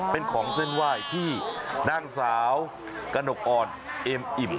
เป็นของเส้นไหว้ที่นางสาวกระหนกอ่อนเอ็มอิ่ม